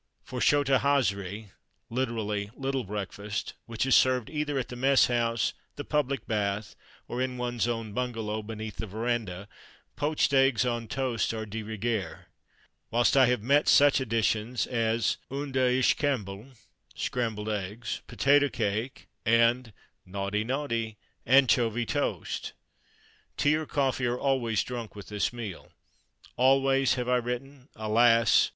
For Chota Hazri (literally "little breakfast") which is served either at the Mess house, the public Bath, or in one's own bungalow, beneath the verandah poached eggs on toast are de rigueur, whilst I have met such additions as unda ishcamble (scrambled eggs), potato cake, and (naughty, naughty!) anchovy toast. Tea or coffee are always drunk with this meal. "Always," have I written? Alas!